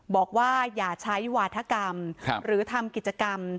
บอกว่าอย่าใช้วาธกรรมหรือทำกิจกรรม